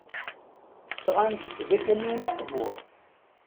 Sɣant-d akamyun aqbur.